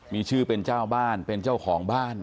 มีชื่อเป็นเจ้าบ้านเป็นเจ้าของบ้าน